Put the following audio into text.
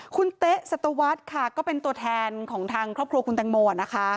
คุณเต๊ะสัตวรรษค่ะก็เป็นตัวแทนของทางครอบครัวคุณแตงโมนะคะ